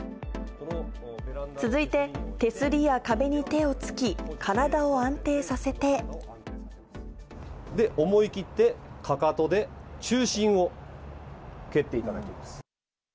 続いて、手すりや壁に手をつき、で、思い切って、かかとで中心を蹴っていただきます。